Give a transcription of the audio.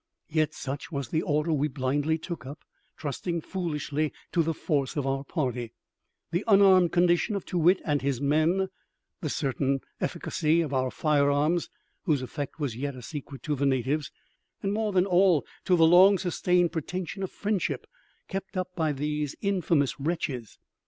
Yet such was the order we blindly took up, trusting foolishly to the force of our party, the unarmed condition of Too wit and his men, the certain efficacy of our firearms (whose effect was yet a secret to the natives), and, more than all, to the long sustained pretension of friendship kept up by these infamous wretches.